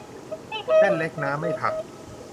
เส้นเล็กน้ำ ไม่ผัก